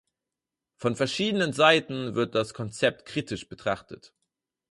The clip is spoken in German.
Von verschiedenen Seiten wird das Konzept kritisch betrachtet.